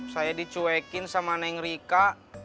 saya dicuekin sama neng rika